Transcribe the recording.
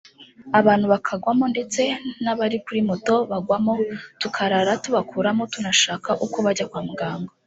abantu bakagwamo ndetse n’abari kuri moto bagwagamo tukarara tubakuramo tunashaka uko bajya kwa muganga